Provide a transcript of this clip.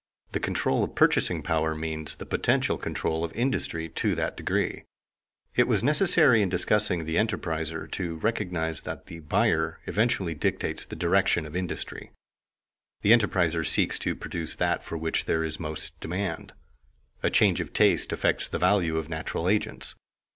The control of purchasing power means the potential control of industry to that degree. It was necessary in discussing the enterpriser to recognize that the buyer eventually dictates the direction of industry; the enterpriser seeks to produce that for which there is most demand. A change of taste affects the value of natural agents.